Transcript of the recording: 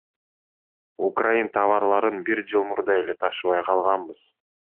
Украин товарларын бир жыл мурда эле ташыбай калганбыз.